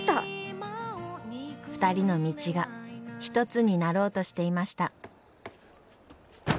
２人の道が一つになろうとしていました。